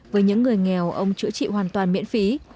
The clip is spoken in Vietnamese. với những người nghèo ông chữa trị hoàn toàn miễn phí